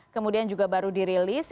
kemudian juga baru dirilis